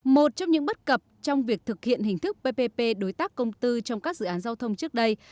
một trong những bất cập trong việc thực hiện hình thức ppp đối tác công tư trong các dự án giao thông trước đây